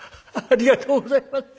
「ありがとうございます！